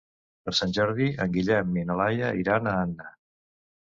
Per Sant Jordi en Guillem i na Laia iran a Anna.